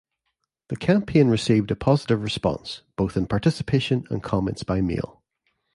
The campaign received a positive response, both in participation and comments by mail.